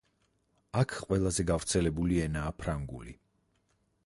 აქ ყველაზე გავრცელებული ენაა ფრანგული.